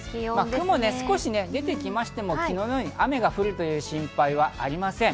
雲が少し出てきましても昨日のように雨が降るという心配はありません。